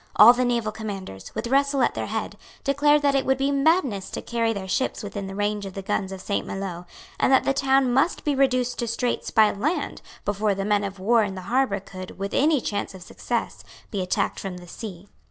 All the naval commanders, with Russell at their head, declared that it would be madness to carry their ships within the range of the guns of Saint Maloes, and that the town must be reduced to straits by land before the men of war in the harbour could, with any chance of success, be attacked from the sea.